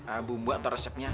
masalah bumbu atau resepnya